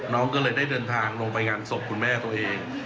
น้องก็เลยได้เดินทางลงไปงานศพคุณแม่ตัวเอง